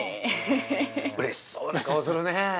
◆うれしそうな顔するね。